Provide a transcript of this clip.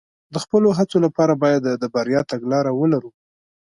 د خپلو هڅو لپاره باید د بریا تګلاره ولرو.